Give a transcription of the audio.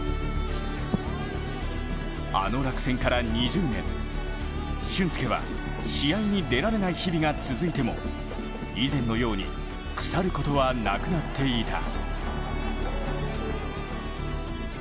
あの落選から２０年、俊輔は試合に出られない日々が続いても以前のように腐ることはなくなっていた。